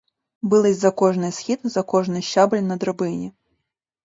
Билися за кожних схід, за кожний щабель на драбині.